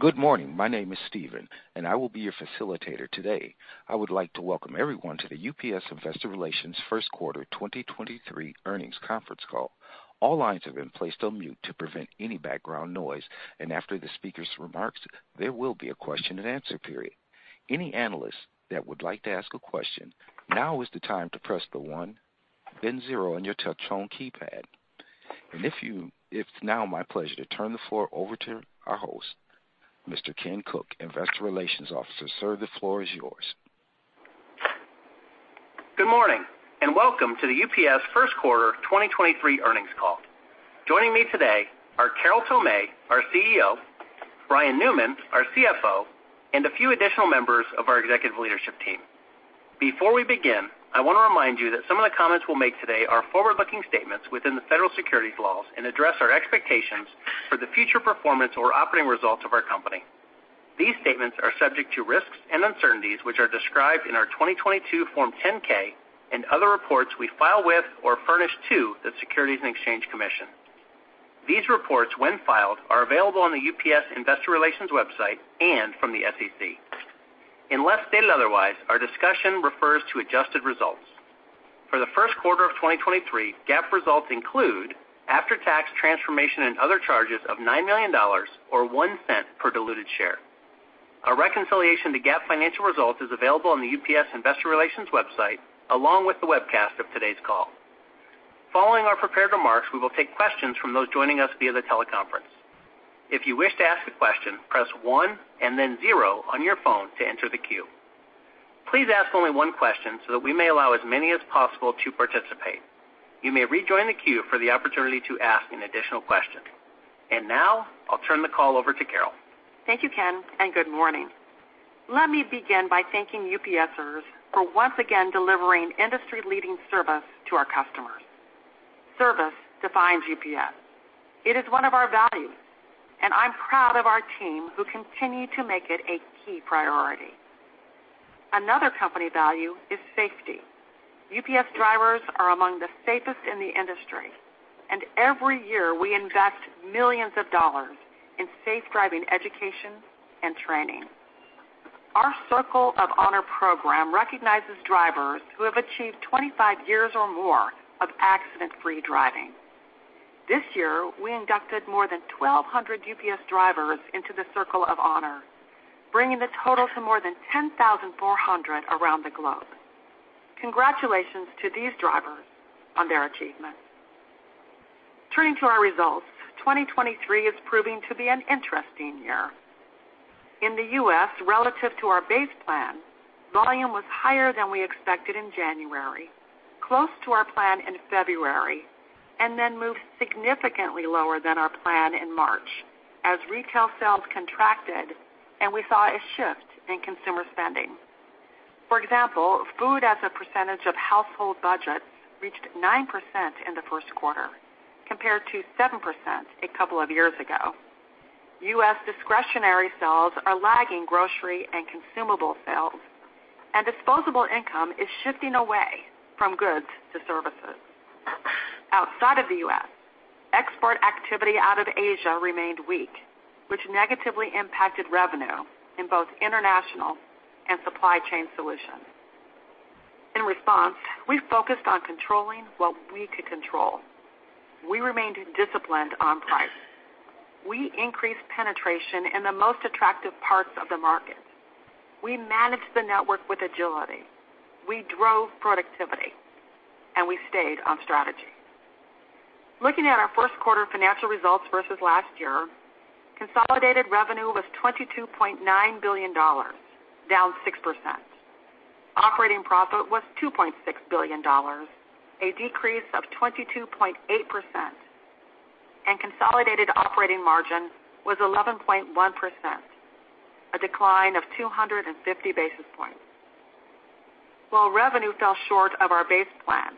Good morning. My name is Steven. I will be your facilitator today. I would like to welcome everyone to the UPS Investor Relations First Quarter 2023 Earnings Conference Call. All lines have been placed on mute to prevent any background noise. After the speaker's remarks, there will be a question-and-answer period. Any analysts that would like to ask a question, now is the time to press the one, then zero on your touch tone keypad. It's now my pleasure to turn the floor over to our host, Mr. Ken Cook, Investor Relations Officer. Sir, the floor is yours. Good morning, welcome to the UPS first quarter 2023 earnings call. Joining me today are Carol Tomé, our CEO, Brian Newman, our CFO, and a few additional members of our executive leadership team. Before we begin, I wanna remind you that some of the comments we'll make today are forward-looking statements within the federal securities laws and address our expectations for the future performance or operating results of our company. These statements are subject to risks and uncertainties, which are described in our 2022 Form 10-K and other reports we file with or furnish to the Securities and Exchange Commission. These reports, when filed, are available on the UPS investor relations website and from the SEC. Unless stated otherwise, our discussion refers to adjusted results. For the first quarter of 2023, GAAP results include after-tax transformation and other charges of $9 million or $0.01 per diluted share. A reconciliation to GAAP financial results is available on the UPS investor relations website, along with the webcast of today's call. Following our prepared remarks, we will take questions from those joining us via the teleconference. If you wish to ask a question, press one and then zero on your phone to enter the queue. Please ask only one question so that we may allow as many as possible to participate. You may rejoin the queue for the opportunity to ask an additional question. Now I'll turn the call over to Carol. Thank you, Ken. Good morning. Let me begin by thanking UPSers for once again delivering industry-leading service to our customers. Service defines UPS. It is one of our values, and I'm proud of our team who continue to make it a key priority. Another company value is safety. UPS drivers are among the safest in the industry, and every year, we invest millions of dollars in safe driving education and training. Our Circle of Honor program recognizes drivers who have achieved 25 years or more of accident-free driving. This year, we inducted more than 1,200 UPS drivers into the Circle of Honor, bringing the total to more than 10,400 around the globe. Congratulations to these drivers on their achievements. Turning to our results, 2023 is proving to be an interesting year. In the U.S., relative to our base plan, volume was higher than we expected in January, close to our plan in February, and then moved significantly lower than our plan in March as retail sales contracted and we saw a shift in consumer spending. For example, food as a percentage of household budgets reached 9% in the 1st quarter compared to 7% a couple of years ago. U.S. discretionary sales are lagging grocery and consumable sales, and disposable income is shifting away from goods to services. Outside of the U.S., export activity out of Asia remained weak, which negatively impacted revenue in both international and supply chain solutions. In response, we focused on controlling what we could control. We remained disciplined on price. We increased penetration in the most attractive parts of the market. We managed the network with agility. We drove productivity, and we stayed on strategy. Looking at our first quarter financial results versus last year, consolidated revenue was $22.9 billion, down 6%. Operating profit was $2.6 billion, a decrease of 22.8%. Consolidated operating margin was 11.1%, a decline of 250 basis points. While revenue fell short of our base plan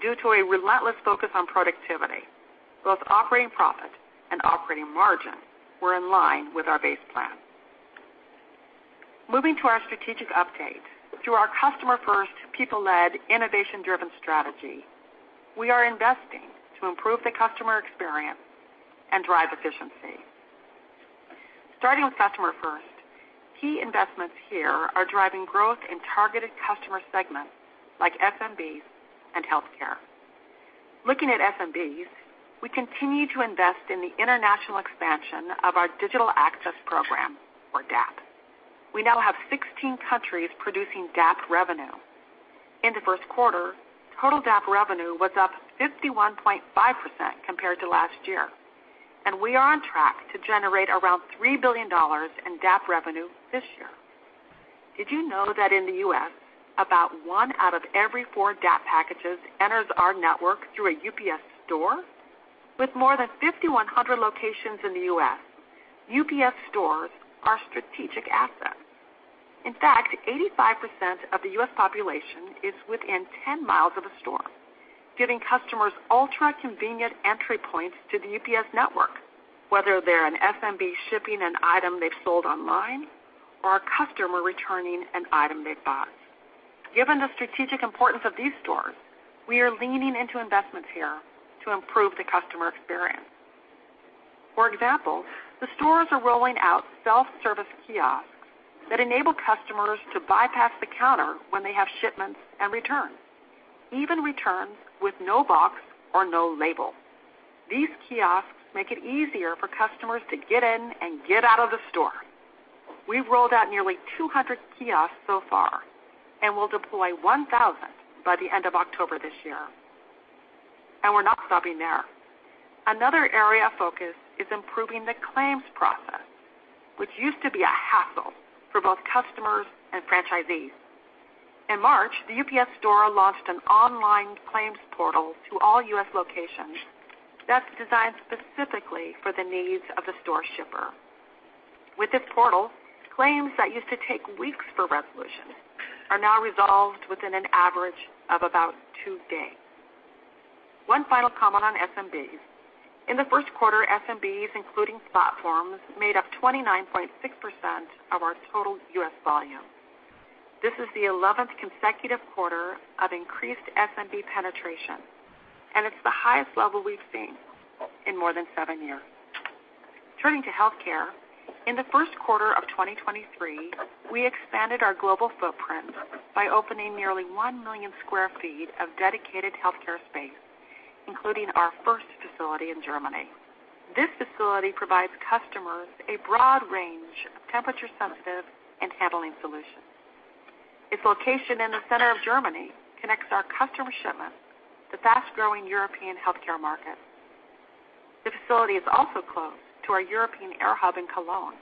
due to a relentless focus on productivity, both operating profit and operating margin were in line with our base plan. Moving to our strategic update. Through our customer-first, people-led, innovation-driven strategy, we are investing to improve the customer experience and drive efficiency. Starting with customer first, key investments here are driving growth in targeted customer segments like SMBs and healthcare. Looking at SMBs, we continue to invest in the international expansion of our Digital Access Program or DAP. We now have 16 countries producing DAP revenue. In the first quarter, total DAP revenue was up 51.5% compared to last year, and we are on track to generate around $3 billion in DAP revenue this year. Did you know that in the U.S., about 1 out of every 4 DAP packages enters our network through a UPS Store? With more than 5,100 locations in the U.S., UPS Stores are a strategic asset. In fact, 85% of the U.S. population is within 10 miles of a store, giving customers ultra-convenient entry points to the UPS network, whether they're an SMB shipping an item they've sold online or a customer returning an item they've bought. Given the strategic importance of these stores, we are leaning into investments here to improve the customer experience. For example, the stores are rolling out self-service kiosks that enable customers to bypass the counter when they have shipments and returns, even returns with no box or no label. These kiosks make it easier for customers to get in and get out of the store. We've rolled out nearly 200 kiosks so far and will deploy 1,000 by the end of October this year. We're not stopping there. Another area of focus is improving the claims process, which used to be a hassle for both customers and franchisees. In March, The UPS Store launched an online claims portal to all U.S. locations that's designed specifically for the needs of the store shipper. With this portal, claims that used to take weeks for resolution are now resolved within an average of about two days. One final comment on SMBs. In the first quarter, SMBs, including platforms, made up 29.6% of our total U.S. volume. This is the 11th consecutive quarter of increased SMB penetration, and it's the highest level we've seen in more than 7 years. Turning to healthcare. In the first quarter of 2023, we expanded our global footprint by opening nearly 1 million sq ft of dedicated healthcare space, including our first facility in Germany. This facility provides customers a broad range of temperature sensitive and handling solutions. Its location in the center of Germany connects our customer shipments to fast-growing European healthcare markets. The facility is also close to our European air hub in Cologne,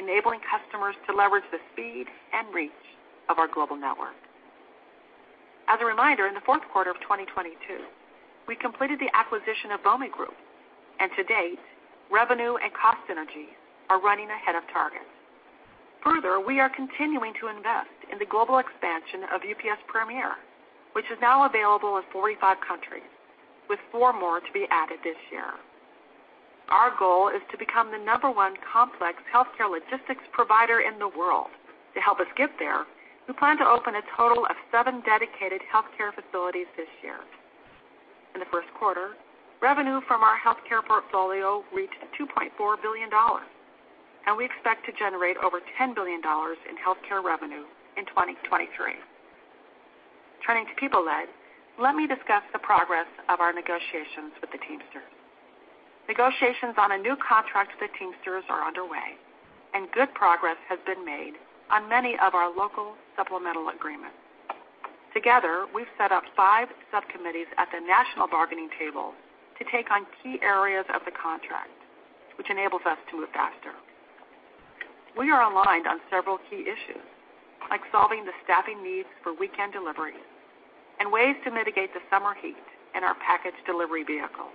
enabling customers to leverage the speed and reach of our global network. As a reminder, in the fourth quarter of 2022, we completed the acquisition of Bomi Group. To date, revenue and cost synergies are running ahead of target. Further, we are continuing to invest in the global expansion of UPS Premier, which is now available in 45 countries, with 4 more to be added this year. Our goal is to become the number one complex health care logistics provider in the world. To help us get there, we plan to open a total of 7 dedicated health care facilities this year. In the first quarter, revenue from our health care portfolio reached $2.4 billion. We expect to generate over $10 billion in health care revenue in 2023. Turning to people led. Let me discuss the progress of our negotiations with the Teamsters. Negotiations on a new contract with the Teamsters are underway and good progress has been made on many of our local supplemental agreements. Together, we've set up five subcommittees at the national bargaining table to take on key areas of the contract, which enables us to move faster. We are aligned on several key issues, like solving the staffing needs for weekend deliveries and ways to mitigate the summer heat in our package delivery vehicles.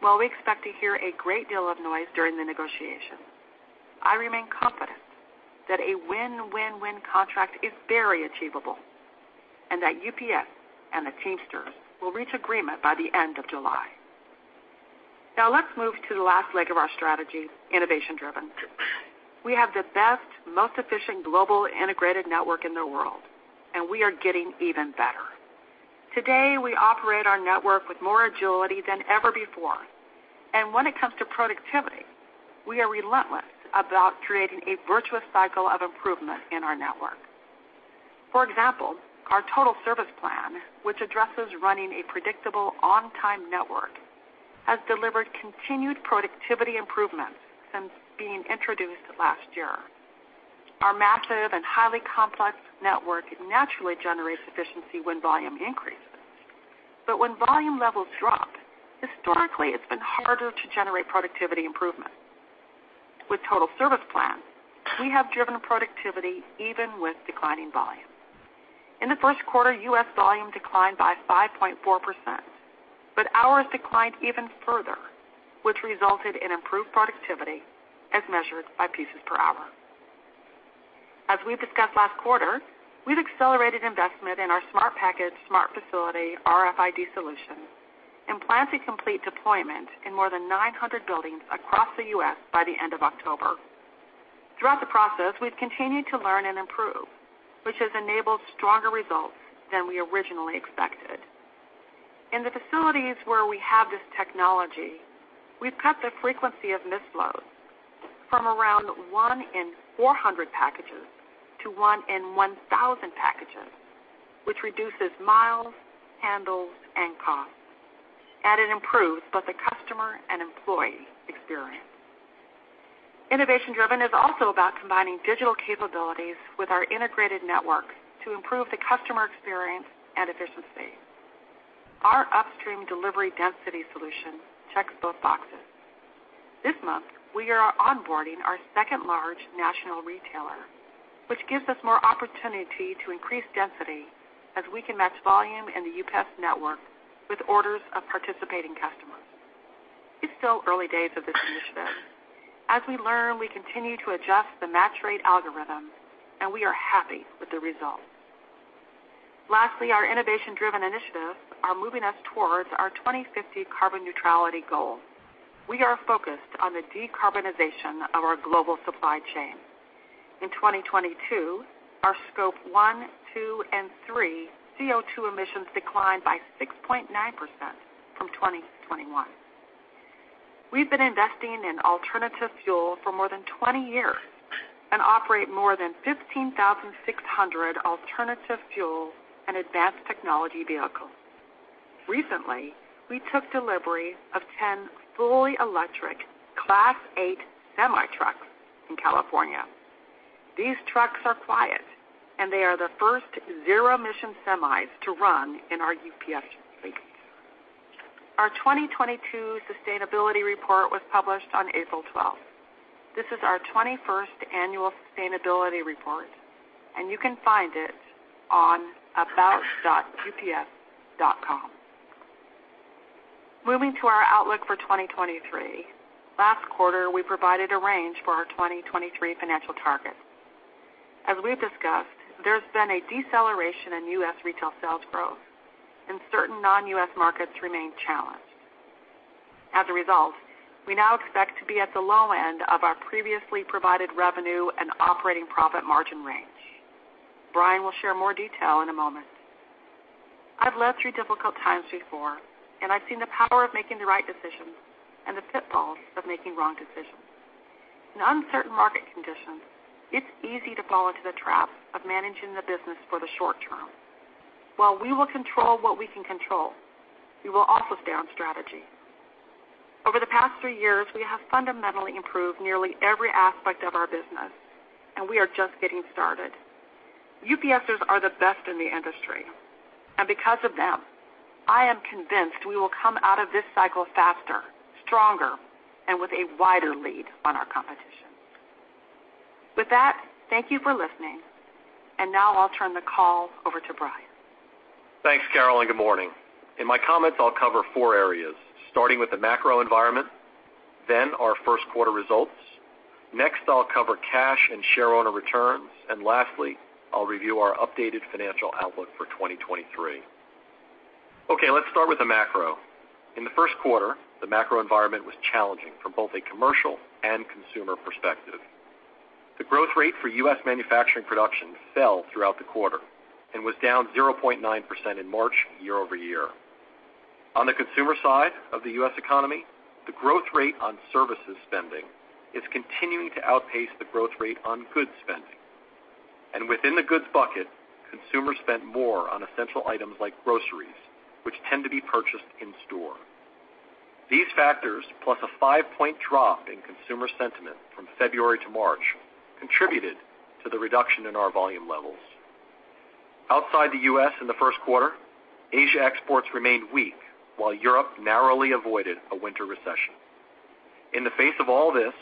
While we expect to hear a great deal of noise during the negotiations, I remain confident that a win-win-win contract is very achievable and that UPS and the Teamsters will reach agreement by the end of July. Let's move to the last leg of our strategy, innovation driven. We have the best, most efficient global integrated network in the world, and we are getting even better. Today, we operate our network with more agility than ever before. When it comes to productivity, we are relentless about creating a virtuous cycle of improvement in our network. For example, our Total Service Plan, which addresses running a predictable on time network, has delivered continued productivity improvements since being introduced last year. Our massive and highly complex network naturally generates efficiency when volume increases. When volume levels drop, historically it's been harder to generate productivity improvement. With Total Service Plans, we have driven productivity even with declining volume. In the first quarter, U.S. volume declined by 5.4%, but ours declined even further, which resulted in improved productivity as measured by pieces per hour. As we discussed last quarter, we've accelerated investment in our Smart Package Smart Facility RFID solution and plan to complete deployment in more than 900 buildings across the U.S. by the end of October. Throughout the process, we've continued to learn and improve, which has enabled stronger results than we originally expected. In the facilities where we have this technology, we've cut the frequency of misloads from around 1 in 400 packages to 1 in 1,000 packages, which reduces miles, handles and costs, and it improves both the customer and employee experience. Innovation driven is also about combining digital capabilities with our integrated network to improve the customer experience and efficiency. Our Upstream Delivery Density solution checks both boxes. This month, we are onboarding our second large national retailer, which gives us more opportunity to increase density as we can match volume in the UPS network with orders of participating customers. It's still early days of this initiative. We learn, we continue to adjust the match rate algorithm, and we are happy with the results. Our innovation-driven initiatives are moving us towards our 2050 carbon neutrality goal. We are focused on the decarbonization of our global supply chain. Our Scope 1, 2, and 3 CO₂ emissions declined by 6.9% from 2021. We've been investing in alternative fuel for more than 20 years and operate more than 15,600 alternative fuel and advanced technology vehicles. We took delivery of 10 fully electric Class 8 semi-trucks in California. These trucks are quiet, and they are the first zero-emission semis to run in our UPS fleet. Our 2022 sustainability report was published on April 12th. This is our 21st annual sustainability report, and you can find it on about.ups.com. Moving to our outlook for 2023. Last quarter, we provided a range for our 2023 financial targets. As we've discussed, there's been a deceleration in U.S. retail sales growth and certain non-U.S. markets remain challenged. As a result, we now expect to be at the low end of our previously provided revenue and operating profit margin range. Brian will share more detail in a moment. I've lived through difficult times before, and I've seen the power of making the right decisions and the pitfalls of making wrong decisions. In uncertain market conditions, it's easy to fall into the trap of managing the business for the short term. While we will control what we can control, we will also stay on strategy. Over the past three years, we have fundamentally improved nearly every aspect of our business, and we are just getting started. UPSers are the best in the industry, and because of them, I am convinced we will come out of this cycle faster, stronger, and with a wider lead on our competition. With that, thank you for listening. Now I'll turn the call over to Brian. Thanks, Carol. Good morning. In my comments, I'll cover 4 areas, starting with the macro environment, then our first quarter results. Next, I'll cover cash and share owner returns. Lastly, I'll review our updated financial outlook for 2023. Okay, let's start with the macro. In the first quarter, the macro environment was challenging from both a commercial and consumer perspective. The growth rate for U.S. manufacturing production fell throughout the quarter and was down 0.9% in March year-over-year. On the consumer side of the U.S. economy, the growth rate on services spending is continuing to outpace the growth rate on goods spending. Within the goods bucket, consumers spent more on essential items like groceries, which tend to be purchased in store. These factors, plus a 5-point drop in consumer sentiment from February to March, contributed to the reduction in our volume levels. Outside the U.S. in the first quarter, Asia exports remained weak, while Europe narrowly avoided a winter recession. In the face of all this,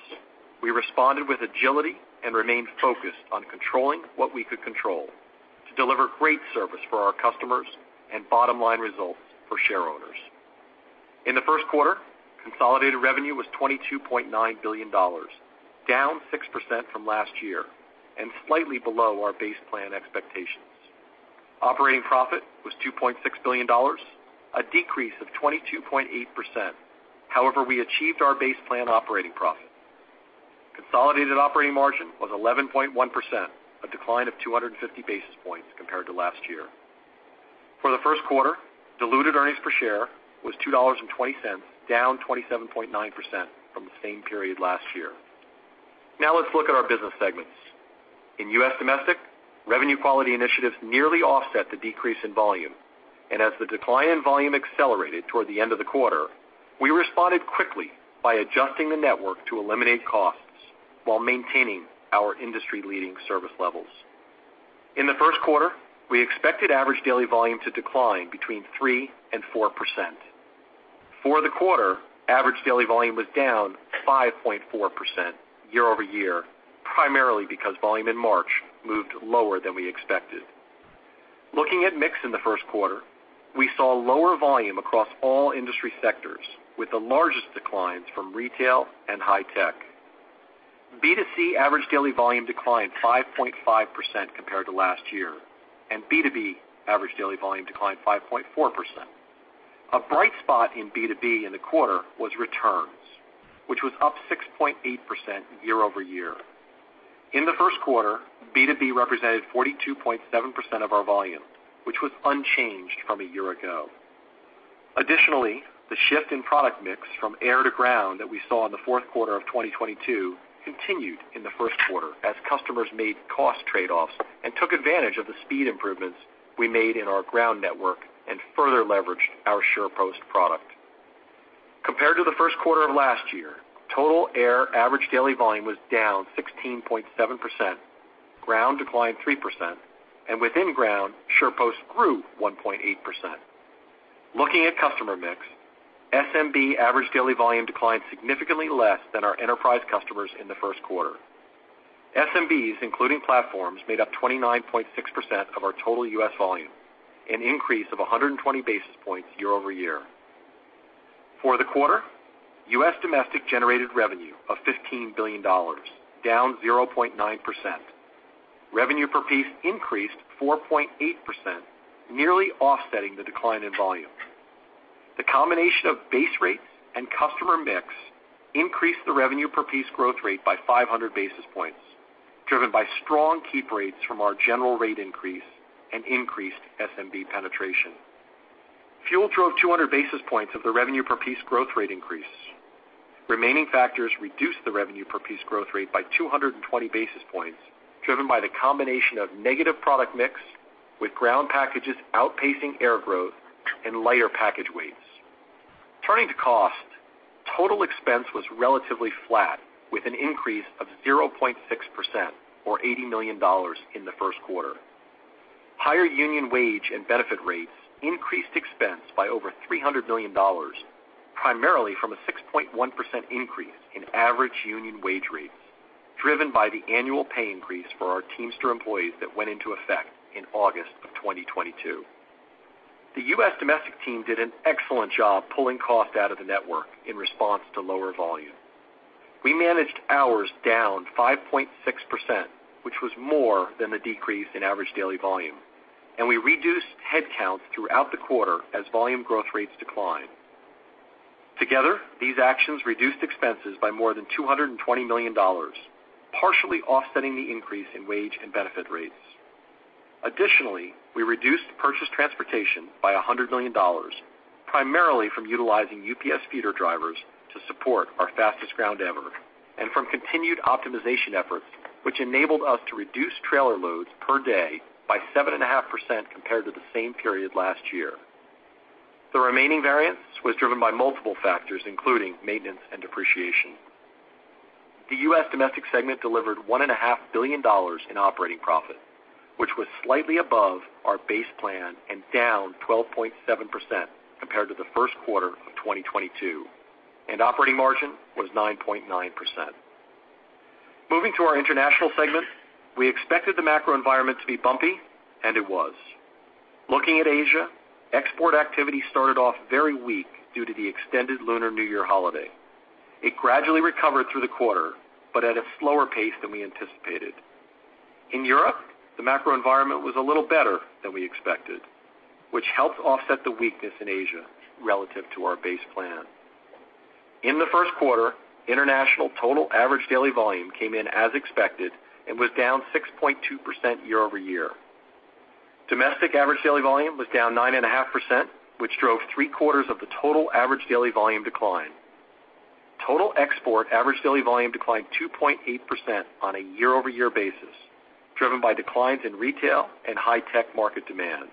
we responded with agility and remained focused on controlling what we could control to deliver great service for our customers and bottom line results for share owners. In the first quarter, consolidated revenue was $22.9 billion, down 6% from last year and slightly below our base plan expectations. Operating profit was $2.6 billion, a decrease of 22.8%. However, we achieved our base plan operating profit. Consolidated operating margin was 11.1%, a decline of 250 basis points compared to last year. For the first quarter, diluted earnings per share was $2.20, down 27.9% from the same period last year. Now let's look at our business segments. In U.S. Domestic, revenue quality initiatives nearly offset the decrease in volume. As the decline in volume accelerated toward the end of the quarter, we responded quickly by adjusting the network to eliminate costs while maintaining our industry-leading service levels. In the first quarter, we expected average daily volume to decline between 3% and 4%. For the quarter, average daily volume was down 5.4% year-over-year, primarily because volume in March moved lower than we expected. Looking at mix in the first quarter, we saw lower volume across all industry sectors, with the largest declines from retail and high tech. B2C average daily volume declined 5.5% compared to last year, and B2B average daily volume declined 5.4%. A bright spot in B2B in the quarter was returns, which was up 6.8% year-over-year. In the first quarter, B2B represented 42.7% of our volume, which was unchanged from a year ago. Additionally, the shift in product mix from air to ground that we saw in the fourth quarter of 2022 continued in the first quarter as customers made cost trade-offs and took advantage of the speed improvements we made in our ground network and further leveraged our SurePost product. Compared to the first quarter of last year, total air average daily volume was down 16.7%, ground declined 3%, and within ground, SurePost grew 1.8%. Looking at customer mix, SMB average daily volume declined significantly less than our enterprise customers in the first quarter. SMBs, including platforms, made up 29.6% of our total U.S. volume, an increase of 120 basis points year-over-year. For the quarter, U.S. Domestic generated revenue of $15 billion, down 0.9%. Revenue per piece increased 4.8%, nearly offsetting the decline in volume. The combination of base rates and customer mix increased the revenue per piece growth rate by 500 basis points, driven by strong keep rates from our General Rate Increase and increased SMB penetration. Fuel drove 200 basis points of the revenue per piece growth rate increase. Remaining factors reduced the revenue per piece growth rate by 220 basis points, driven by the combination of negative product mix with ground packages outpacing air growth and lighter package weights. Turning to cost, total expense was relatively flat, with an increase of 0.6% or $80 million in the first quarter. Higher union wage and benefit rates increased expense by over $300 million, primarily from a 6.1% increase in average union wage rates, driven by the annual pay increase for our Teamster employees that went into effect in August of 2022. The U.S. Domestic team did an excellent job pulling cost out of the network in response to lower volume. We managed hours down 5.6%, which was more than the decrease in average daily volume, and we reduced headcount throughout the quarter as volume growth rates declined. Together, these actions reduced expenses by more than $220 million, partially offsetting the increase in wage and benefit rates. Additionally, we reduced purchase transportation by $100 million, primarily from utilizing UPS feeder drivers to support our Fastest Ground Ever and from continued optimization efforts, which enabled us to reduce trailer loads per day by 7.5% compared to the same period last year. The remaining variance was driven by multiple factors, including maintenance and depreciation. The U.S. Domestic segment delivered $1.5 billion in operating profit, which was slightly above our base plan and down 12.7% compared to the first quarter of 2022. Operating margin was 9.9%. Moving to our International segment, we expected the macro environment to be bumpy, and it was. Looking at Asia, export activity started off very weak due to the extended Lunar New Year holiday. It gradually recovered through the quarter, but at a slower pace than we anticipated. In Europe, the macro environment was a little better than we expected, which helped offset the weakness in Asia relative to our base plan. In the first quarter, international total average daily volume came in as expected and was down 6.2% year-over-year. Domestic average daily volume was down 9.5%, which drove three-quarters of the total average daily volume decline. Total export average daily volume declined 2.8% on a year-over-year basis, driven by declines in retail and high-tech market demand.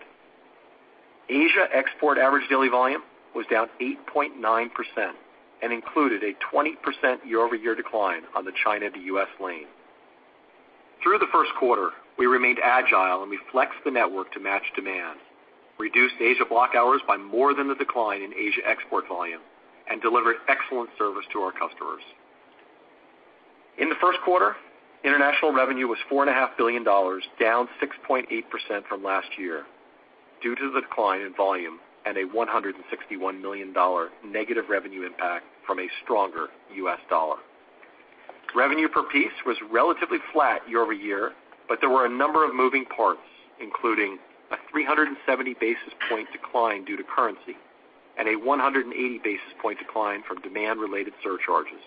Asia export average daily volume was down 8.9% and included a 20% year-over-year decline on the China to U.S. lane. Through the first quarter, we remained agile, and we flexed the network to match demand, reduced Asia block hours by more than the decline in Asia export volume, and delivered excellent service to our customers. In the first quarter, international revenue was four and a half billion dollars, down 6.8% from last year due to the decline in volume and a $161 million negative revenue impact from a stronger U.S. dollar. Revenue per piece was relatively flat year-over-year, but there were a number of moving parts, including a 370 basis point decline due to currency and a 180 basis point decline from demand-related surcharges.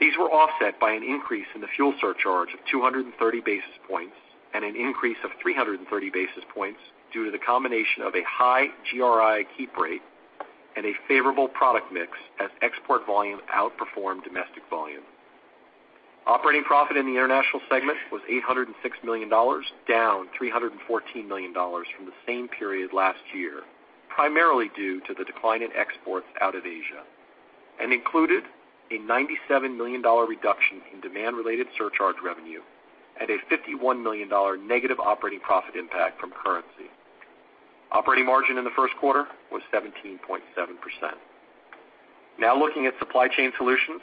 These were offset by an increase in the fuel surcharge of 230 basis points and an increase of 330 basis points due to the combination of a high GRI keep rate and a favorable product mix as export volume outperformed domestic volume. Operating profit in the International segment was $806 million, down $314 million from the same period last year, primarily due to the decline in exports out of Asia and included a $97 million reduction in demand-related surcharge revenue and a $51 million negative operating profit impact from currency. Operating margin in the first quarter was 17.7%. Looking at Supply Chain Solutions.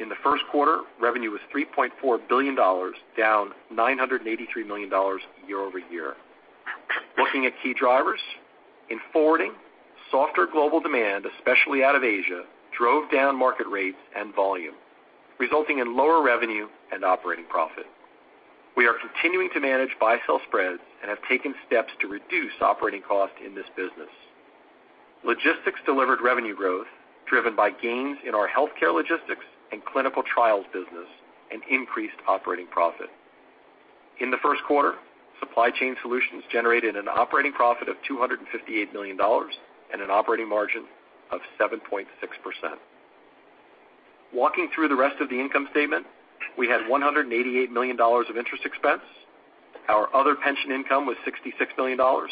In the first quarter, revenue was $3.4 billion, down $983 million year-over-year. Looking at key drivers. In forwarding, softer global demand, especially out of Asia, drove down market rates and volume, resulting in lower revenue and operating profit. We are continuing to manage buy-sell spreads and have taken steps to reduce operating cost in this business. Logistics delivered revenue growth driven by gains in our healthcare logistics and clinical trials business and increased operating profit. In the first quarter, Supply Chain Solutions generated an operating profit of $258 million and an operating margin of 7.6%. Walking through the rest of the income statement, we had $188 million of interest expense. Our other pension income was $66 million. Our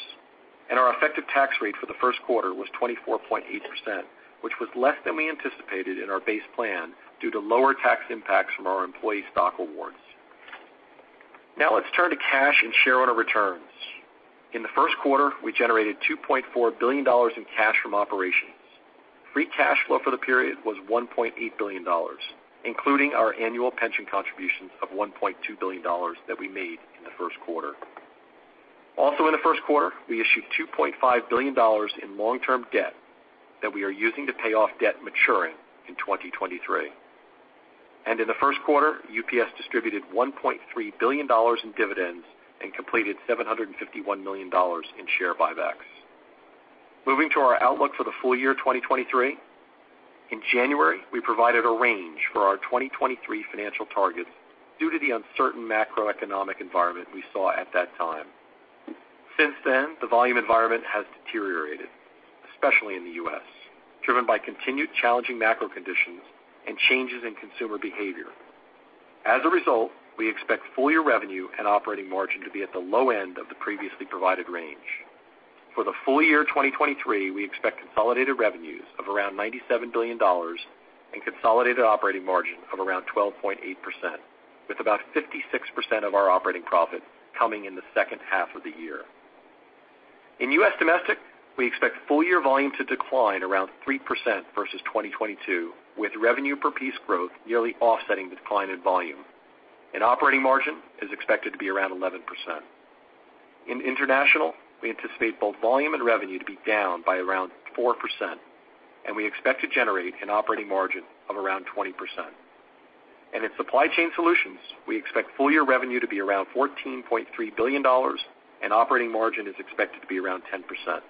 effective tax rate for the first quarter was 24.8%, which was less than we anticipated in our base plan due to lower tax impacts from our employee stock awards. Now let's turn to cash and shareowner returns. In the first quarter, we generated $2.4 billion in cash from operations. Free cash flow for the period was $1.8 billion, including our annual pension contributions of $1.2 billion that we made in the first quarter. Also in the first quarter, we issued $2.5 billion in long-term debt that we are using to pay off debt maturing in 2023. In the first quarter, UPS distributed $1.3 billion in dividends and completed $751 million in share buybacks. Moving to our outlook for the full year 2023. In January, we provided a range for our 2023 financial targets due to the uncertain macroeconomic environment we saw at that time. Since then, the volume environment has deteriorated, especially in the U.S., driven by continued challenging macro conditions and changes in consumer behavior. As a result, we expect full-year revenue and operating margin to be at the low end of the previously provided range. For the full year 2023, we expect consolidated revenues of around $97 billion and consolidated operating margin of around 12.8%, with about 56% of our operating profit coming in the second half of the year. In U.S. domestic, we expect full-year volume to decline around 3% versus 2022, with revenue per piece growth nearly offsetting the decline in volume. Operating margin is expected to be around 11%. In international, we anticipate both volume and revenue to be down by around 4%, and we expect to generate an operating margin of around 20%. In supply chain solutions, we expect full-year revenue to be around $14.3 billion and operating margin is expected to be around 10%.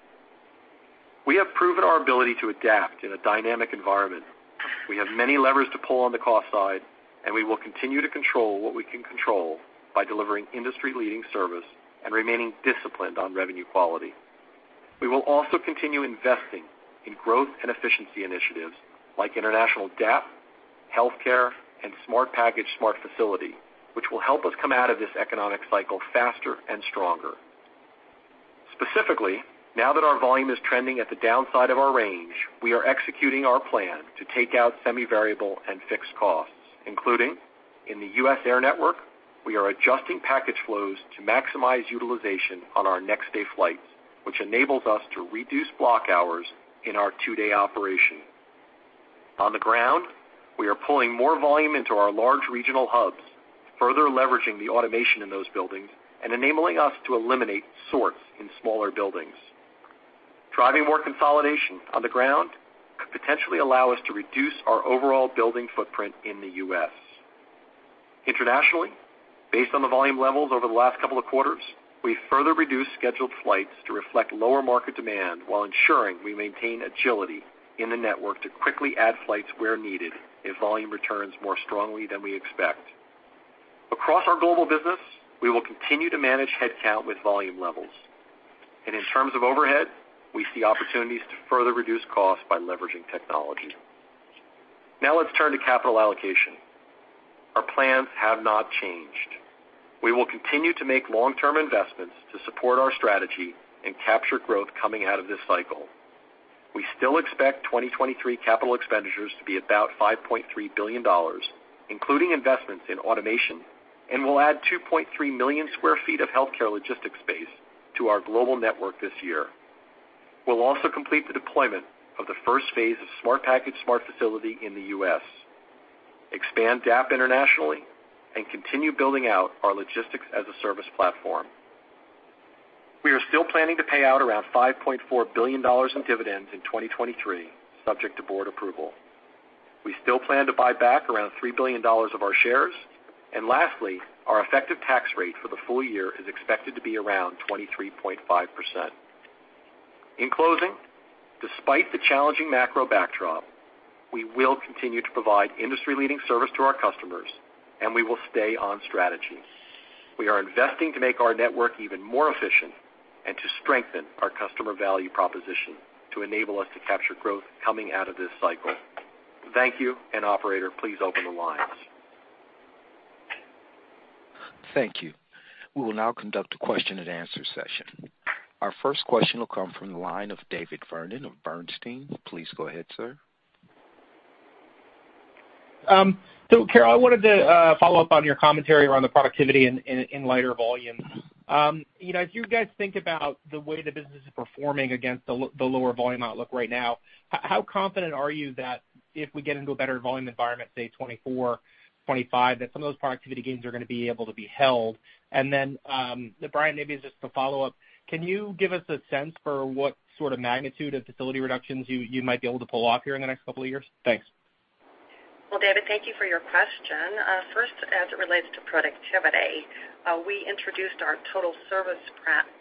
We have proven our ability to adapt in a dynamic environment. We have many levers to pull on the cost side, and we will continue to control what we can control by delivering industry-leading service and remaining disciplined on revenue quality. We will also continue investing in growth and efficiency initiatives like international DAP, healthcare, and Smart Package Smart Facility, which will help us come out of this economic cycle faster and stronger. Specifically, now that our volume is trending at the downside of our range, we are executing our plan to take out semi-variable and fixed costs, including in the U.S. Air network, we are adjusting package flows to maximize utilization on our next day flights, which enables us to reduce block hours in our two-day operation. On the ground, we are pulling more volume into our large regional hubs, further leveraging the automation in those buildings and enabling us to eliminate sorts in smaller buildings. Driving more consolidation on the ground could potentially allow us to reduce our overall building footprint in the U.S. Internationally, based on the volume levels over the last couple of quarters, we further reduced scheduled flights to reflect lower market demand while ensuring we maintain agility in the network to quickly add flights where needed if volume returns more strongly than we expect. Across our global business, we will continue to manage headcount with volume levels. In terms of overhead, we see opportunities to further reduce costs by leveraging technology. Let's turn to capital allocation. Our plans have not changed. We will continue to make long-term investments to support our strategy and capture growth coming out of this cycle. We still expect 2023 capital expenditures to be about $5.3 billion, including investments in automation, and we'll add 2.3 million sq ft of healthcare logistics space to our global network this year. We'll also complete the deployment of the first phase of Smart Package, Smart Facility in the U.S., expand DAP internationally, and continue building out our Logistics as a Service platform. We are still planning to pay out around $5.4 billion in dividends in 2023, subject to board approval. We still plan to buy back around $3 billion of our shares. Lastly, our effective tax rate for the full year is expected to be around 23.5%. In closing, despite the challenging macro backdrop, we will continue to provide industry-leading service to our customers, and we will stay on strategy. We are investing to make our network even more efficient and to strengthen our customer value proposition to enable us to capture growth coming out of this cycle. Thank you, and operator, please open the lines. Thank you. We will now conduct a question and answer session. Our first question will come from the line of David Vernon of Bernstein. Please go ahead, sir. Carol, I wanted to follow up on your commentary around the productivity in lighter volumes. You know, as you guys think about the way the business is performing against the lower volume outlook right now, how confident are you that if we get into a better volume environment, say 2024, 2025, that some of those productivity gains are gonna be able to be held? Then, Brian, maybe just to follow up, can you give us a sense for what sort of magnitude of facility reductions you might be able to pull off here in the next couple of years? Thanks. Well, David, thank you for your question. First, as it relates to productivity, we introduced our Total Service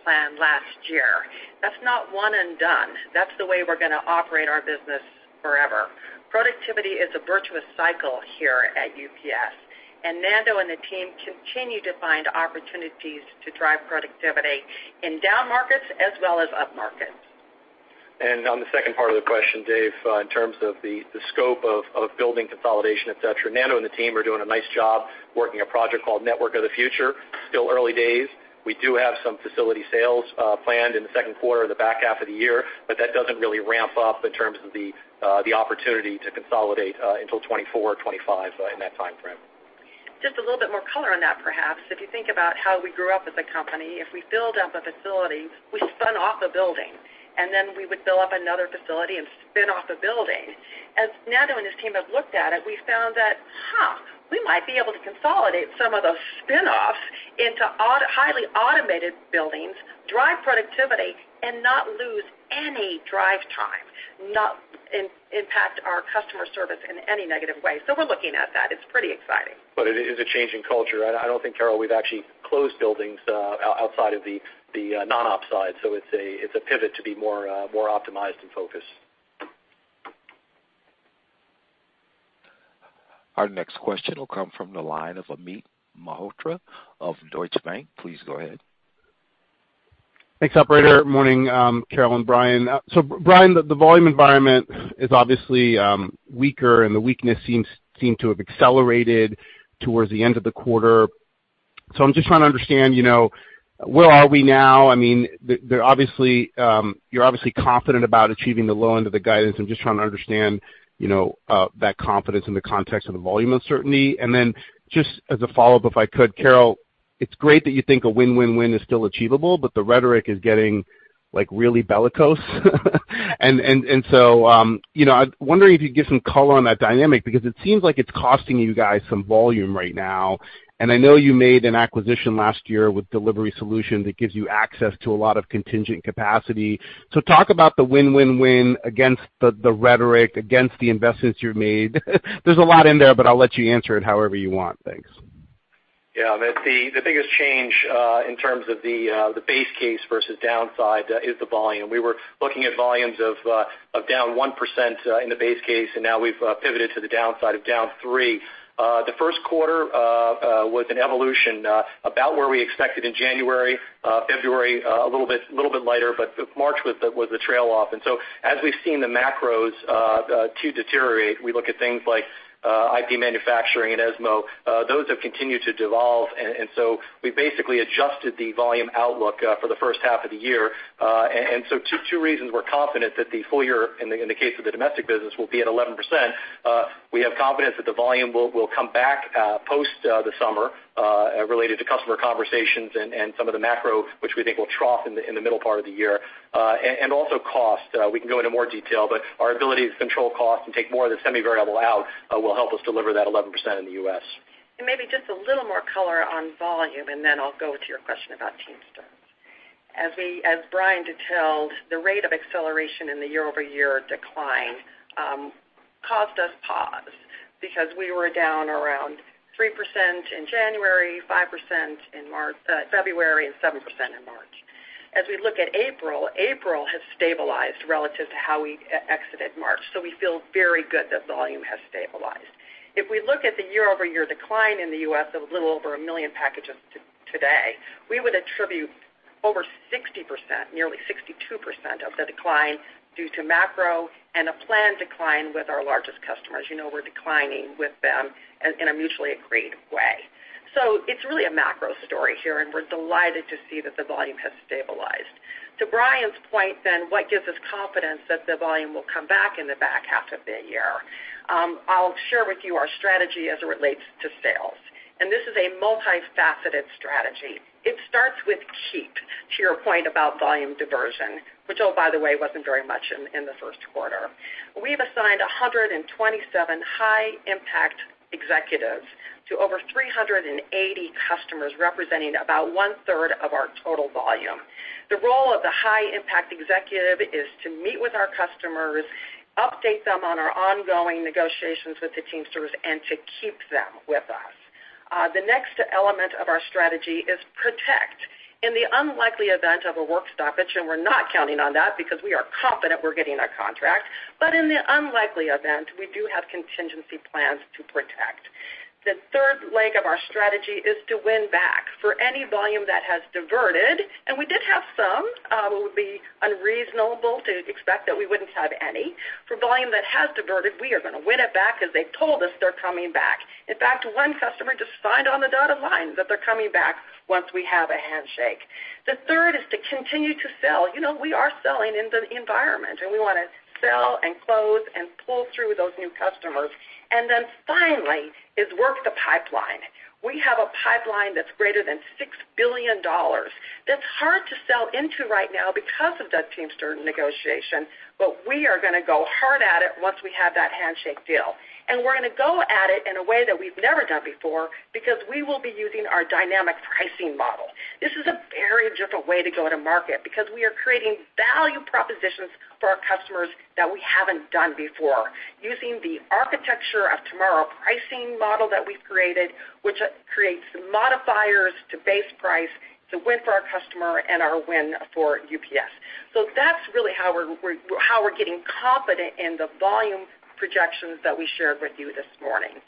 Plan last year. That's not one and done. That's the way we're gonna operate our business forever. Productivity is a virtuous cycle here at UPS, and Nando and the team continue to find opportunities to drive productivity in down markets as well as up markets. On the second part of the question, David, in terms of the scope of building consolidation, et cetera, Nando and the team are doing a nice job working a project called Network of the Future. Still early days. We do have some facility sales planned in the second quarter or the back half of the year, but that doesn't really ramp up in terms of the opportunity to consolidate until 2024 or 2025 in that time frame. Just a little bit more color on that, perhaps. If you think about how we grew up as a company, if we build up a facility, we spun off a building. We would build up another facility and spin off a building. As Nando and his team have looked at it, we found that, huh, we might be able to consolidate some of those spin-offs into highly automated buildings, drive productivity, and not lose any drive time, not impact our customer service in any negative way. We're looking at that. It's pretty exciting. It is a change in culture. I don't think, Carol, we've actually closed buildings, outside of the non-op side. It's a pivot to be more optimized and focused. Our next question will come from the line of Amit Mehrotra of Deutsche Bank. Please go ahead. Thanks, operator. Morning, Carol Tomé and Brian Newman. Brian Newman, the volume environment is obviously weaker, and the weakness seems to have accelerated towards the end of the quarter. I'm just trying to understand, you know, where are we now? I mean, they're obviously, you're obviously confident about achieving the low end of the guidance. I'm just trying to understand, you know, that confidence in the context of the volume uncertainty. Just as a follow-up, if I could, Carol Tomé, it's great that you think a win-win-win is still achievable, but the rhetoric is getting, like, really bellicose. I'm wondering if you could give some color on that dynamic because it seems like it's costing you guys some volume right now. I know you made an acquisition last year with Delivery Solutions that gives you access to a lot of contingent capacity. Talk about the win-win-win against the rhetoric, against the investments you've made. There's a lot in there, but I'll let you answer it however you want. Thanks. Yeah, the biggest change in terms of the base case versus downside is the volume. We were looking at volumes of down 1% in the base case, and now we've pivoted to the downside of down 3%. The first quarter was an evolution about where we expected in January. February, a little bit lighter, but the March was the trail off. As we've seen the macros too deteriorate, we look at things like IP manufacturing and ESMO. Those have continued to devolve. So we basically adjusted the volume outlook for the first half of the year. Two reasons we're confident that the full year in the case of the domestic business will be at 11%. We have confidence that the volume will come back post the summer related to customer conversations and some of the macro, which we think will trough in the middle part of the year. Also cost. We can go into more detail, but our ability to control cost and take more of the semi-variable out will help us deliver that 11% in the U.S. Maybe just a little more color on volume, then I'll go to your question about Teamsters. As Brian detailed, the rate of acceleration in the year-over-year decline caused us pause because we were down around 3% in January, 5% in February, and 7% in March. As we look at April has stabilized relative to how we exited March. We feel very good that volume has stabilized. If we look at the year-over-year decline in the U.S. of a little over 1 million packages today, we would attribute over 60%, nearly 62% of the decline due to macro and a planned decline with our largest customers. You know we're declining with them in a mutually agreed way. It's really a macro story here, and we're delighted to see that the volume has stabilized. To Brian's point then, what gives us confidence that the volume will come back in the back half of the year? I'll share with you our strategy as it relates to sales. This is a multifaceted strategy. It starts with keep, to your point about volume diversion, which, oh, by the way, wasn't very much in the first quarter. We've assigned 127 high impact executives to over 380 customers, representing about 1/3 of our total volume. The role of the high impact executive is to meet with our customers, update them on our ongoing negotiations with the Teamsters, and to keep them with us. The next element of our strategy is protect. In the unlikely event of a work stoppage, and we're not counting on that because we are confident we're getting our contract. In the unlikely event, we do have contingency plans to protect. The third leg of our strategy is to win back. For any volume that has diverted, and we did have some. It would be unreasonable to expect that we wouldn't have any. For volume that has diverted, we are gonna win it back because they've told us they're coming back. In fact, one customer just signed on the dotted line that they're coming back once we have a handshake. The third is to continue to sell. You know, we are selling in the environment, and we wanna sell and close and pull through those new customers. Then finally is work the pipeline. We have a pipeline that's greater than $6 billion that's hard to sell into right now because of the Teamster negotiation, we are gonna go hard at it once we have that handshake deal. we're gonna go at it in a way that we've never done before because we will be using our dynamic pricing model. This is a very different way to go to market because we are creating value propositions for our customers that we haven't done before using the Architecture of Tomorrow pricing model that we've created, which creates the modifiers to base price, it's a win for our customer and our win for UPS. that's really how we're getting confident in the volume projections that we shared with you this morning.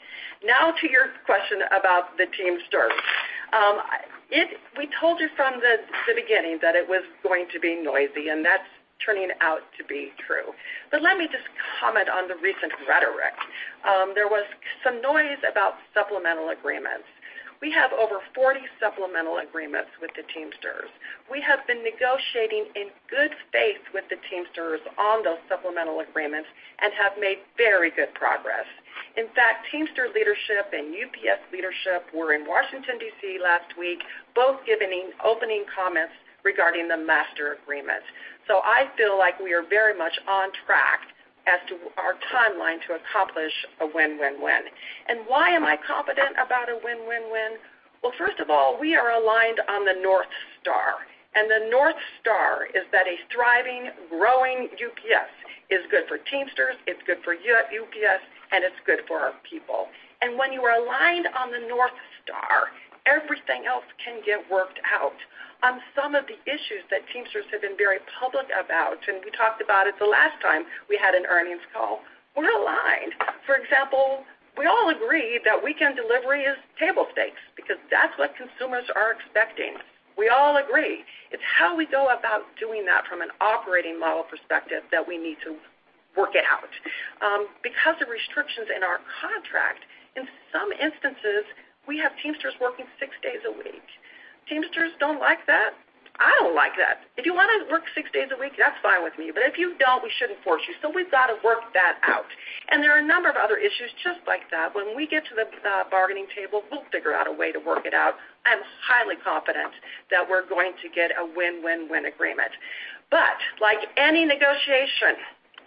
Now to your question about the Teamsters. We told you from the beginning that it was going to be noisy, and that's turning out to be true. Let me just comment on the recent rhetoric. There was some noise about supplemental agreements. We have over 40 supplemental agreements with the Teamsters. We have been negotiating in good faith with the Teamsters on those supplemental agreements and have made very good progress. In fact, Teamster leadership and UPS leadership were in Washington, D.C. last week, both giving opening comments regarding the master agreement. I feel like we are very much on track as to our timeline to accomplish a win-win-win. Why am I confident about a win-win-win? Well, first of all, we are aligned on the North Star, and the North Star is that a thriving, growing UPS is good for Teamsters, it's good for UPS, and it's good for our people. When you are aligned on the North Star, everything else can get worked out. On some of the issues that Teamsters have been very public about, and we talked about it the last time we had an earnings call, we're aligned. For example, we all agree that weekend delivery is table stakes because that's what consumers are expecting. We all agree. It's how we go about doing that from an an operating model perspective that we need to work it out. Because of restrictions in our contract, in some instances, we have Teamsters working six days a week. Teamsters don't like that. I don't like that. If you wanna work six days a week, that's fine with me, but if you don't, we shouldn't force you. We've got to work that out. There are a number of other issues just like that. When we get to the bargaining table, we'll figure out a way to work it out. I'm highly confident that we're going to get a win-win-win agreement. Like any negotiation,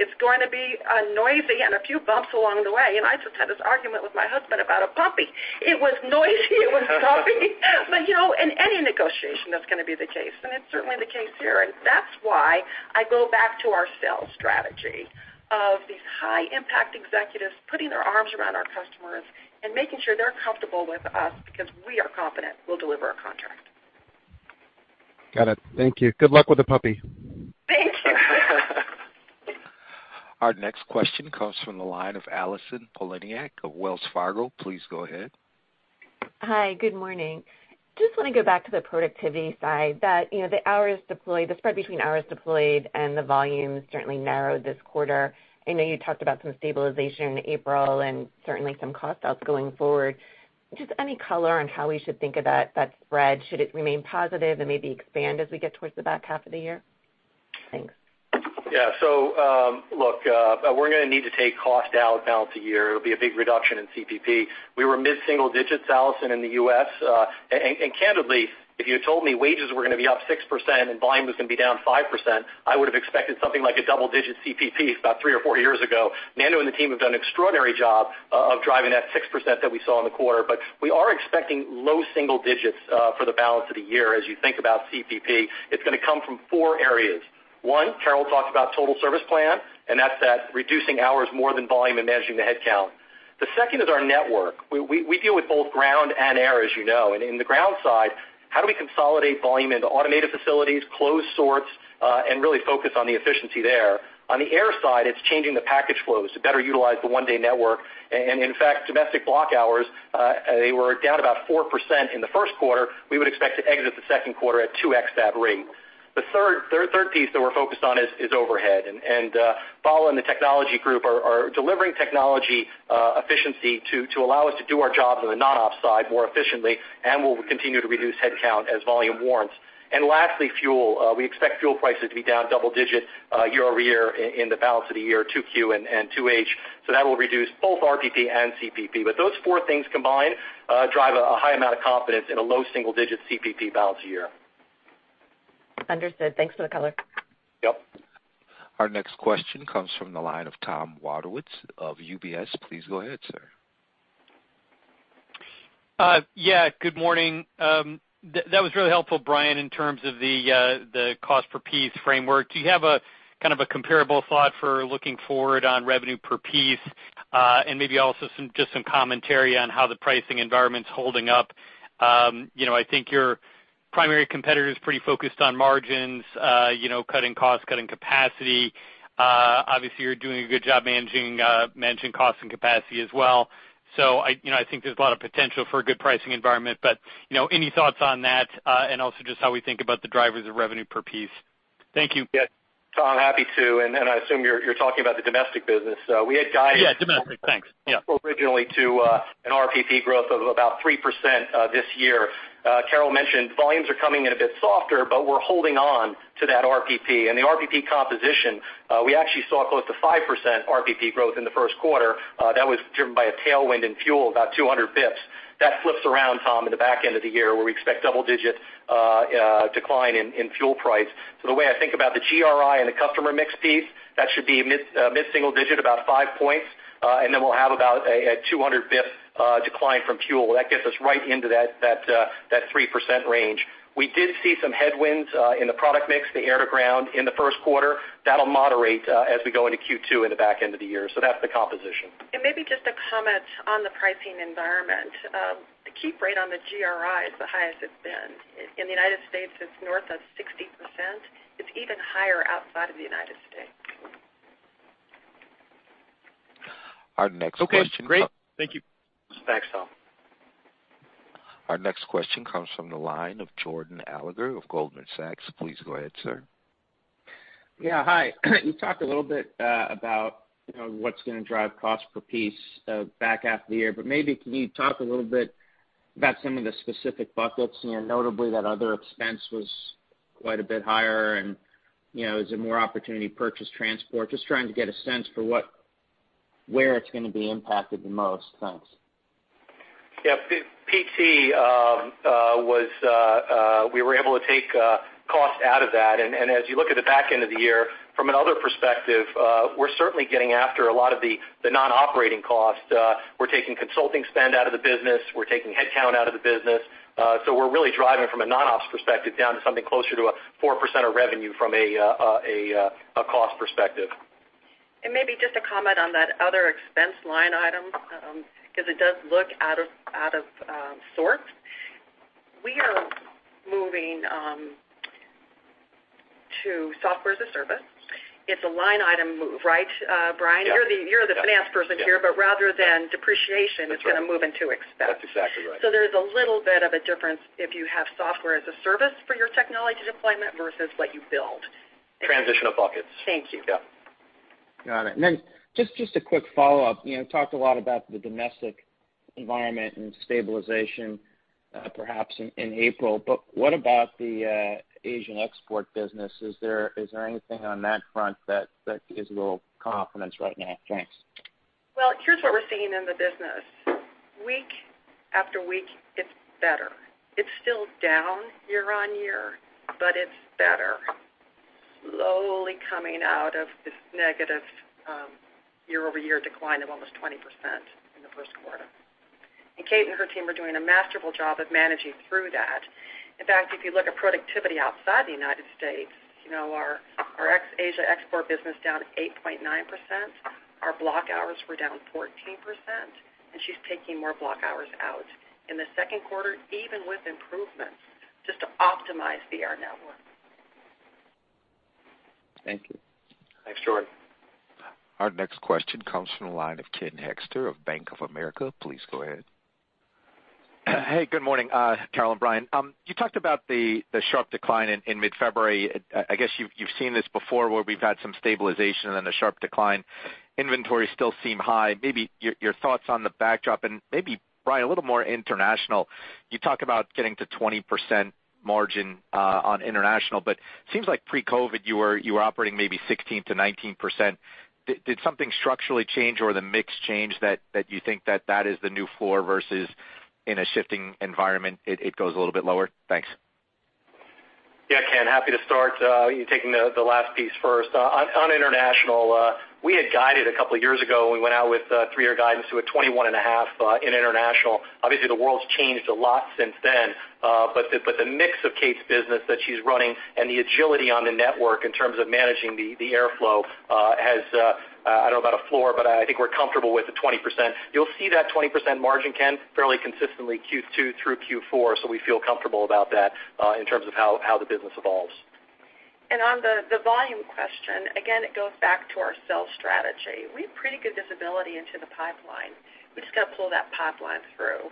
it's going to be noisy and a few bumps along the way. I just had this argument with my husband about a puppy. It was noisy, it was puppy. You know, in any negotiation, that's gonna be the case, and it's certainly the case here. That's why I go back to our sales strategy of these high-impact executives putting their arms around our customers and making sure they're comfortable with us because we are confident we'll deliver a contract. Got it. Thank you. Good luck with the puppy. Thank you. Our next question comes from the line of Allison Poliniak-Cusic of Wells Fargo. Please go ahead. Hi, good morning. Just wanna go back to the productivity side, that, you know, the hours deployed, the spread between hours deployed and the volume certainly narrowed this quarter. I know you talked about some stabilization in April and certainly some cost outs going forward. Just any color on how we should think of that spread? Should it remain positive and maybe expand as we get towards the back half of the year? Thanks. Look, we're gonna need to take cost out balance a year. It'll be a big reduction in CPP. We were mid-single digits, Allison Poliniak, in the U.S. Candidly, if you told me wages were gonna be up 6% and volume was gonna be down 5%, I would have expected something like a double-digit CPP about three or four years ago. Nando and the team have done an extraordinary job of driving that 6% that we saw in the quarter. We are expecting low single digits for the balance of the year as you think about CPP. It's gonna come from four areas. One, Carol talked about Total Service Plan, and that's that reducing hours more than volume and managing the headcount. The second is our network. We deal with both ground and air, as you know. In the ground side, how do we consolidate volume into automated facilities, close sorts, and really focus on the efficiency there? On the air side, it's changing the package flows to better utilize the one-day network. In fact, domestic block hours, they were down about 4% in the first quarter. We would expect to exit the second quarter at 2x that rate. The third piece that we're focused on is overhead. Paula and the technology group are delivering technology efficiency to allow us to do our jobs on the non-op side more efficiently, and we'll continue to reduce headcount as volume warrants. Lastly, fuel. We expect fuel prices to be down double-digit year-over-year in the balance of the year, 2Q and 2H. That will reduce both RPP and CPP. Those 4 things combined, drive a high amount of confidence in a low single-digit CPP balance year. Understood. Thanks for the color. Yep. Our next question comes from the line of Thomas Wadewitz of UBS. Please go ahead, sir. Yeah, good morning. That was really helpful, Brian, in terms of the cost per piece framework. Do you have a, kind of a comparable thought for looking forward on revenue per piece, and maybe also some, just some commentary on how the pricing environment's holding up? You know, I think your primary competitor is pretty focused on margins, you know, cutting costs, cutting capacity. Obviously, you're doing a good job managing costs and capacity as well. I, you know, I think there's a lot of potential for a good pricing environment, but, you know, any thoughts on that, and also just how we think about the drivers of revenue per piece? Thank you. Yes, Tom, happy to, and I assume you're talking about the domestic business. We had guided- Yeah, domestic. Thanks. Yeah.... originally to an RPP growth of about 3% this year. Carol mentioned volumes are coming in a bit softer, but we're holding on to that RPP. The RPP composition, we actually saw close to 5% RPP growth in the first quarter. That was driven by a tailwind in fuel, about 200 BPS. That flips around, Tom, in the back end of the year, where we expect double-digit decline in fuel price. The way I think about the GRI and the customer mix piece, that should be mid-single digit, about 5 points, and then we'll have about a 200 BPS decline from fuel. That gets us right into that 3% range. We did see some headwinds in the product mix, the air to ground in the first quarter. That'll moderate as we go into Q2 in the back end of the year. That's the composition. Maybe just a comment on the pricing environment. The keep rate on the GRI is the highest it's been. In the United States, it's north of 60%. It's even higher outside of the United States. Our next question. Okay, great. Thank you. Thanks, Tom. Our next question comes from the line of Jordan Alliger of Goldman Sachs. Please go ahead, sir. Yeah, hi. You talked a little bit about, you know, what's gonna drive cost per piece back half of the year. Maybe can you talk a little bit about some of the specific buckets, you know, notably that other expense was quite a bit higher and, you know, is there more opportunity to purchase transport? Just trying to get a sense for where it's gonna be impacted the most. Thanks. Yeah. PT. We were able to take cost out of that. As you look at the back end of the year from another perspective, we're certainly getting after a lot of the non-operating costs. We're taking consulting spend out of the business. We're taking headcount out of the business. We're really driving from a non-ops perspective down to something closer to a 4% of revenue from a cost perspective. Maybe just to comment on that other expense line item, 'cause it does look out of sorts. We are moving to software as a service. It's a line item move, right, Brian? Yeah. You're the finance person here. Yeah. Rather than depreciation. That's right. It's gonna move into expense. That's exactly right. There's a little bit of a difference if you have software as a service for your technology deployment versus what you build. Transition of buckets. Thank you. Yeah. Got it. Then just a quick follow-up. You know, talked a lot about the domestic environment and stabilization, perhaps in April, but what about the Asian export business? Is there anything on that front that gives you a little confidence right now? Thanks. Well, here's what we're seeing in the business. Week after week, it's better. It's still down year-over-year, but it's better. Slowly coming out of this negative year-over-year decline of almost 20% in the first quarter. Kate and her team are doing a masterful job of managing through that. In fact, if you look at productivity outside the United States, you know, our Asia export business down 8.9%. Our block hours were down 14%, and she's taking more block hours out in the second quarter, even with improvements, just to optimize the air network. Thank you. Thanks, Jordan. Our next question comes from the line of Ken Hoexter of Bank of America. Please go ahead. Good morning, Carol and Brian. You talked about the sharp decline in mid-February. I guess you've seen this before, where we've had some stabilization and then a sharp decline. Inventories still seem high. Maybe your thoughts on the backdrop, and maybe, Brian, a little more international. You talk about getting to 20% margin on international, but seems like pre-COVID, you were operating maybe 16%-19%. Did something structurally change or the mix change that you think that that is the new floor versus in a shifting environment, it goes a little bit lower? Thanks. Yeah, Ken, happy to start, taking the last piece first. On international, we had guided a couple of years ago when we went out with, 3-year guidance to a 21.5%, in international. Obviously, the world's changed a lot since then. The mix of Kate's business that she's running and the agility on the network in terms of managing the airflow, has, I don't know about a floor, but I think we're comfortable with the 20%. You'll see that 20% margin, Ken, fairly consistently Q2 through Q4, so we feel comfortable about that, in terms of how the business evolves. On the volume question, again, it goes back to our sales strategy. We have pretty good visibility into the pipeline. We just got to pull that pipeline through.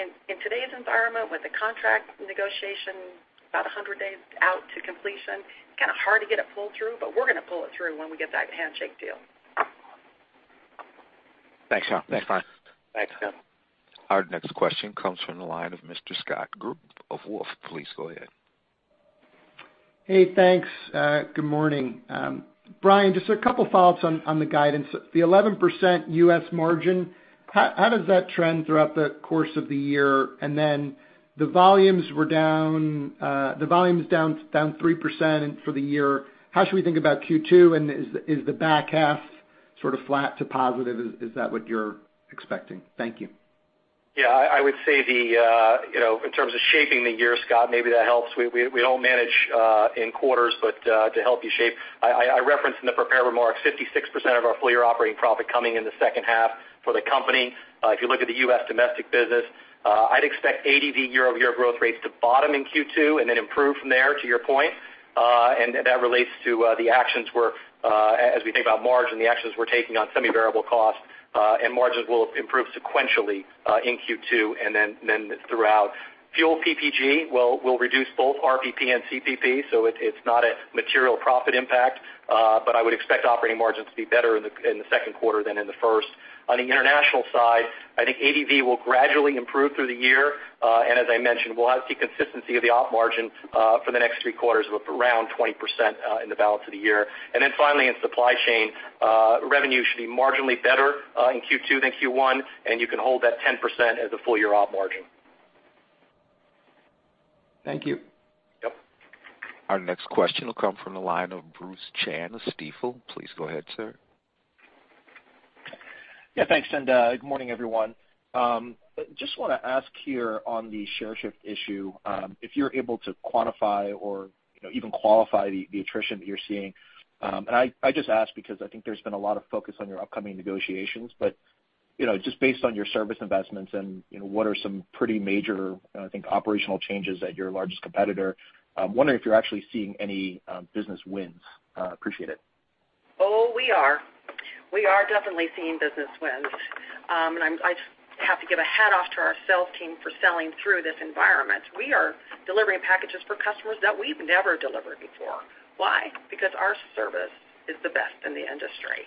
In today's environment with the contract negotiation about 100 days out to completion, kind of hard to get it pulled through, but we're gonna pull it through when we get that handshake deal. Thanks, Carol. Thanks, Brian. Thanks, Ken. Our next question comes from the line of Mr. Scott Group of Wolfe. Please go ahead. Hey, thanks. Good morning. Brian, just a couple thoughts on the guidance. The 11% U.S. margin, how does that trend throughout the course of the year? The volumes were down 3% for the year. How should we think about Q2, and is the back half sort of flat to positive? Is that what you're expecting? Thank you. Yeah. I would say the, you know, in terms of shaping the year, Scott Group, maybe that helps. We don't manage in quarters, but to help you shape, I referenced in the prepared remarks 56% of our full year operating profit coming in the second half for the company. If you look at the U.S. domestic business, I'd expect ADV year-over-year growth rates to bottom in Q2 and then improve from there to your point. That relates to the actions we're, as we think about margin, the actions we're taking on semi-variable costs, and margins will improve sequentially in Q2 and then throughout. Fuel PPG will reduce both RPP and CPP, it's not a material profit impact. I would expect operating margins to be better in the second quarter than in the first. On the international side, I think ADV will gradually improve through the year. As I mentioned, we'll have the consistency of the op margin for the next 3 quarters with around 20% in the balance of the year. Finally in supply chain, revenue should be marginally better in Q2 than Q1, and you can hold that 10% as a full year op margin. Thank you. Yep. Our next question will come from the line of Bruce Chan of Stifel. Please go ahead, sir. Yeah, thanks, and good morning, everyone. Just wanna ask here on the share shift issue, if you're able to quantify or, you know, even qualify the attrition that you're seeing. I just ask because I think there's been a lot of focus on your upcoming negotiations, but, you know, just based on your service investments and, you know, what are some pretty major, I think, operational changes at your largest competitor, I'm wondering if you're actually seeing any business wins? Appreciate it. Oh, we are. We are definitely seeing business wins. I have to give a hat off to our sales team for selling through this environment. We are delivering packages for customers that we've never delivered before. Why? Because our service is the best in the industry.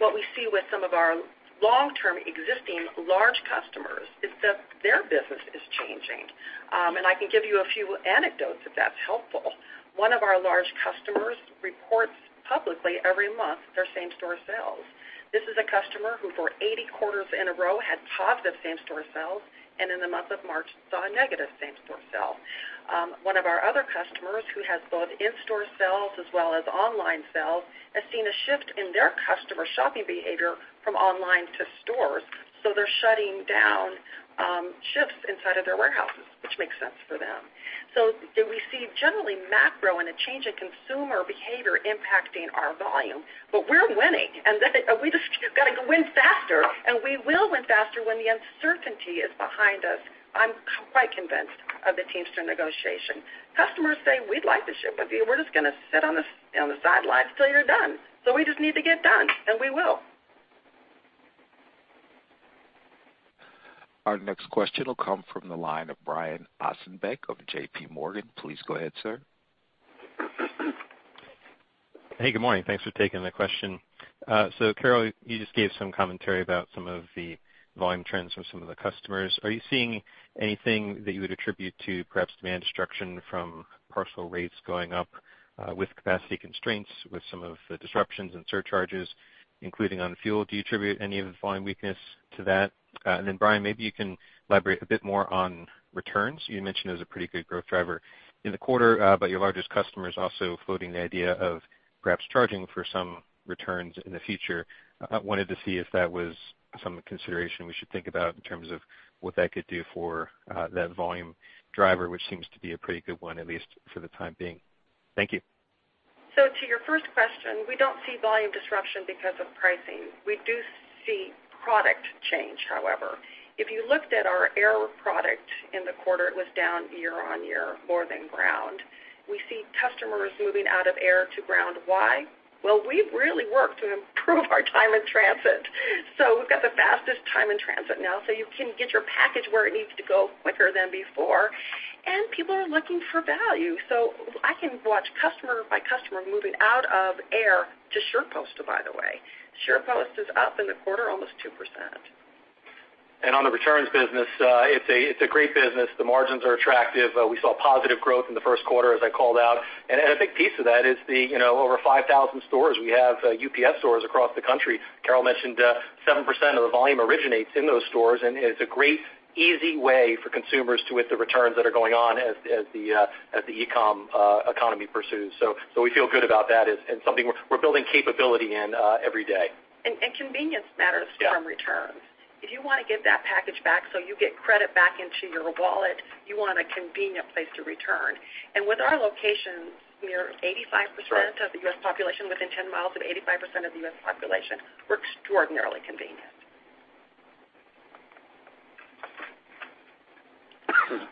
What we see with some of our long-term existing large customers is that their business is changing. I can give you a few anecdotes, if that's helpful. One of our large customers reports publicly every month their same-store sales. This is a customer who, for 80 quarters in a row, had positive same-store sales and in the month of March, saw a negative same-store sale. One of our other customers who has both in-store sales as well as online sales, has seen a shift in their customer shopping behavior from online to stores, so they're shutting down shifts inside of their warehouses, which makes sense for them. We see generally macro and a change in consumer behavior impacting our volume, but we're winning. We just got to win faster, and we will win faster when the uncertainty is behind us. I'm quite convinced of the Teamster negotiation. Customers say, "We'd like to ship with you. We're just gonna sit on the, on the sidelines till you're done." We just need to get done, and we will. Our next question will come from the line of Brian Ossenbeck of JP Morgan. Please go ahead, sir. Hey, good morning. Thanks for taking the question. Carol, you just gave some commentary about some of the volume trends from some of the customers. Are you seeing anything that you would attribute to perhaps demand destruction from parcel rates going up, with capacity constraints, with some of the disruptions and surcharges, including on fuel? Do you attribute any of the volume weakness to that? Brian, maybe you can elaborate a bit more on returns. You mentioned it was a pretty good growth driver in the quarter, your largest customer is also floating the idea of perhaps charging for some returns in the future. I wanted to see if that was some consideration we should think about in terms of what that could do for that volume driver, which seems to be a pretty good one, at least for the time being. Thank you. To your first question, we don't see volume disruption because of pricing. We do see product change, however. If you looked at our air product in the quarter, it was down year-over-year more than ground. We see customers moving out of air to ground. Why? Well, we've really worked to improve our time in transit. We've got the fastest time in transit now, you can get your package where it needs to go quicker than before. People are looking for value. I can watch customer by customer moving out of air to SurePost, by the way. SurePost is up in the quarter almost 2%. On the returns business, it's a great business. The margins are attractive. We saw positive growth in the first quarter, as I called out. A big piece of that is the, you know, over 5,000 stores we have, UPS Stores across the country. Carol mentioned, 7% of the volume originates in those stores, and it's a great, easy way for consumers to with the returns that are going on as the e-com economy pursues. We feel good about that as, and something we're building capability in every day. Convenience matters. Yeah. from returns. If you wanna get that package back so you get credit back into your wallet, you want a convenient place to return. With our locations, we are 85%. Right. -of the U.S. population within 10 miles of 85% of the U.S. population, we're extraordinarily convenient.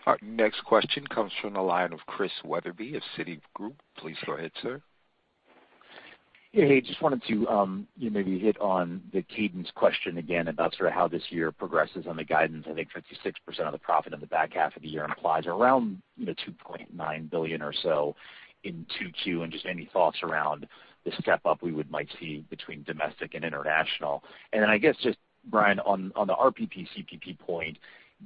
Our next question comes from the line of Christian Wetherbee of Citigroup. Please go ahead, sir. Yeah. Hey, just wanted to, you know, maybe hit on the cadence question again about sort of how this year progresses on the guidance. I think 56% of the profit on the back half of the year implies around, you know, $2.9 billion or so in 2Q, and just any thoughts around the step up we would might see between domestic and international. Then I guess just, Brian, on the RPP, CPP point,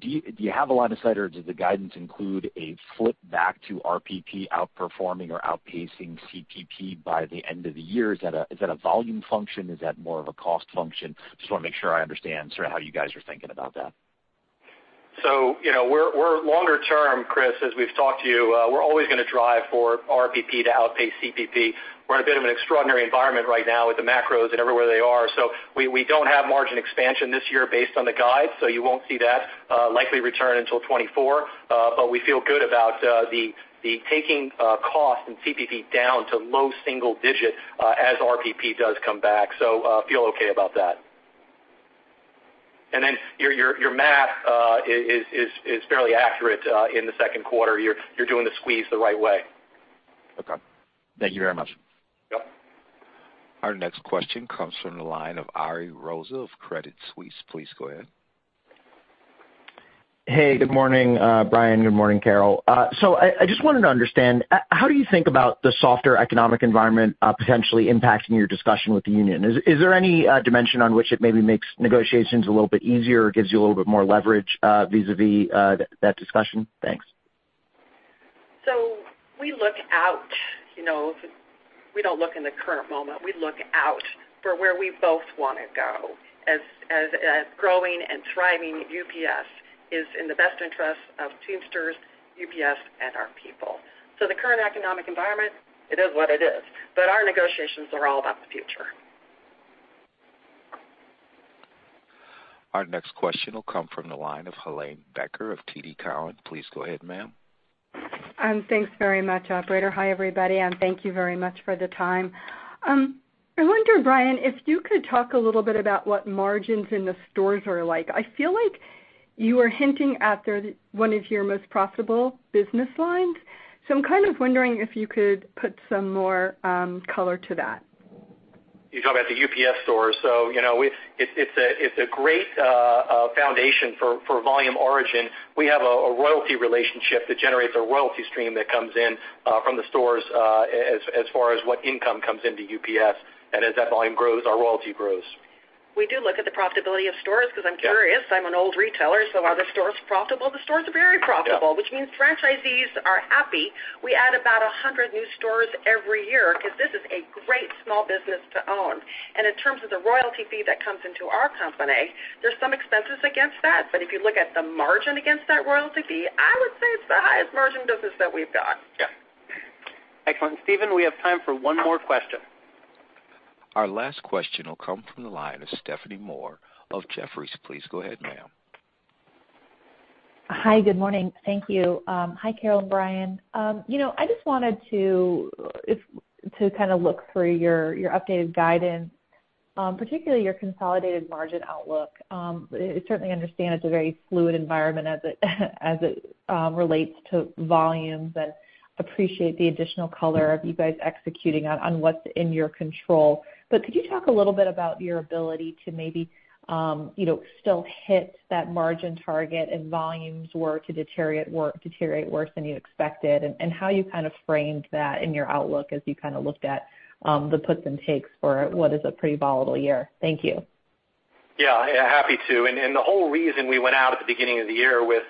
do you have a line of sight or does the guidance include a flip back to RPP outperforming or outpacing CPP by the end of the year? Is that a volume function? Is that more of a cost function? Just wanna make sure I understand sort of how you guys are thinking about that. You know, we're longer term, Chris, as we've talked to you, we're always gonna drive for RPP to outpace CPP. We're in a bit of an extraordinary environment right now with the macros and everywhere they are. We, we don't have margin expansion this year based on the guide, so you won't see that likely return until 2024. But we feel good about the taking cost and CPP down to low single digit as RPP does come back. Feel okay about that. Your, your math is, is fairly accurate in the second quarter. You're, you're doing the squeeze the right way. Okay. Thank you very much. Yep. Our next question comes from the line of Ariel Rosa of Credit Suisse. Please go ahead. Good morning, Brian. Good morning, Carol. I just wanted to understand how do you think about the softer economic environment potentially impacting your discussion with the union? Is there any dimension on which it maybe makes negotiations a little bit easier or gives you a little bit more leverage vis-à-vis that discussion? Thanks. We look out. You know, we don't look in the current moment. We look out for where we both wanna go, as growing and thriving UPS is in the best interest of Teamsters, UPS, and our people. The current economic environment, it is what it is. Our negotiations are all about the future. Our next question will come from the line of Helane Becker of TD Cowen. Please go ahead, ma'am. Thanks very much, operator. Hi, everybody, and thank you very much for the time. I wonder, Brian, if you could talk a little bit about what margins in the stores are like. I feel like You were hinting at the, one of your most profitable business lines. I'm kind of wondering if you could put some more color to that? You're talking about the UPS Stores. You know, it's a great foundation for volume origin. We have a royalty relationship that generates a royalty stream that comes in from the Stores as far as what income comes into UPS. As that volume grows, our royalty grows. We do look at the profitability of stores 'cause I'm curious. Yeah. I'm an old retailer, so are the stores profitable? The stores are very profitable. Yeah which means franchisees are happy. We add about 100 new stores every year 'cause this is a great small business to own. In terms of the royalty fee that comes into our company, there's some expenses against that. If you look at the margin against that royalty fee, I would say it's the highest margin business that we've got. Yeah. Excellent. Steven, we have time for one more question. Our last question will come from the line of Stephanie Moore of Jefferies. Please go ahead, ma'am. Hi, good morning. Thank you. Hi, Carol and Brian. you know, I just wanted to kind of look through your updated guidance, particularly your consolidated margin outlook. certainly understand it's a very fluid environment as it relates to volumes and appreciate the additional color of you guys executing on what's in your control. Could you talk a little bit about your ability to maybe, you know, still hit that margin target if volumes were to deteriorate worse than you expected, and how you kind of framed that in your outlook as you kind of looked at the puts and takes for what is a pretty volatile year? Thank you. Yeah, happy to. The whole reason we went out at the beginning of the year with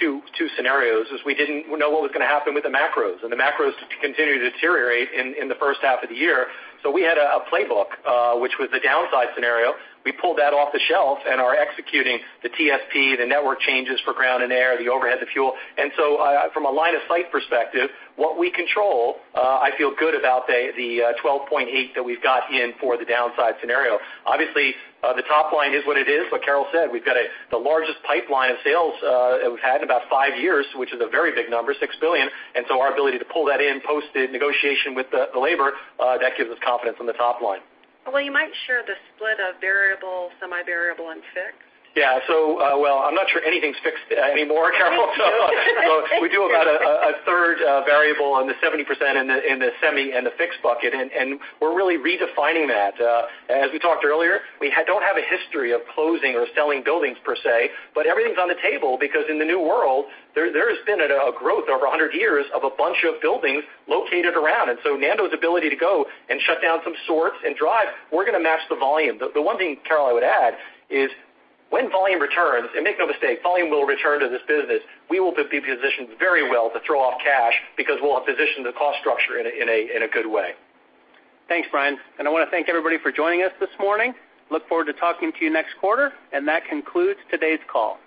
2 scenarios is we didn't know what was gonna happen with the macros. The macros continued to deteriorate in the 1st half of the year. We had a playbook, which was the downside scenario. We pulled that off the shelf and are executing the TSP, the network changes for ground and air, the overhead, the fuel. From a line of sight perspective, what we control, I feel good about the 12.8 that we've got in for the downside scenario. Obviously, the top line is what it is. What Carol said, we've got the largest pipeline of sales that we've had in about 5 years, which is a very big number, $6 billion. Our ability to pull that in post the negotiation with the labor, that gives us confidence on the top line. Well, you might share the split of variable, semi-variable and fixed? Yeah. Well, I'm not sure anything's fixed anymore, Carol, so. Thank you. We do have about a third variable and the 70% in the semi and the fixed bucket, and we're really redefining that. As we talked earlier, we don't have a history of closing or selling buildings per se, but everything's on the table because in the new world there has been a growth over 100 years of a bunch of buildings located around. Nando's ability to go and shut down some sorts and drive, we're gonna match the volume. The one thing, Carol, I would add is when volume returns, and make no mistake, volume will return to this business, we will be positioned very well to throw off cash because we'll have positioned the cost structure in a good way. Thanks, Brian. I wanna thank everybody for joining us this morning. Look forward to talking to you next quarter. That concludes today's call.